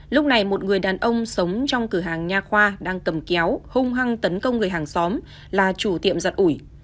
lúc này một người đàn ông sống trong cửa hàng nha khoa đang cầm kéo hung hăng tấn công người hàng xóm là chủ tiệm giặt ủi